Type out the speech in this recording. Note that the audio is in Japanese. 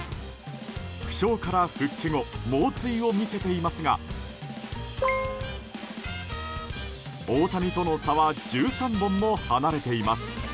負傷から復帰後猛追を見せていますが大谷との差は１３本も離れています。